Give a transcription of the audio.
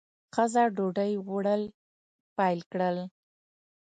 ښځه ډوډۍ وړل پیل کړل.